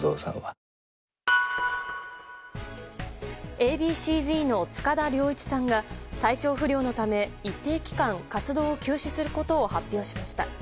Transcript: Ａ．Ｂ．Ｃ‐Ｚの塚田僚一さんが、体調不良のため一定期間、活動を休止することを発表しました。